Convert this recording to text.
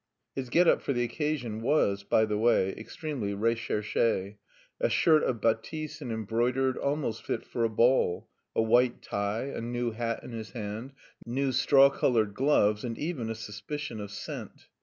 His get up for the occasion was, by the way, extremely recherché: a shirt of batiste and embroidered, almost fit for a ball, a white tie, a new hat in his hand, new straw coloured gloves, and even a suspicion of scent.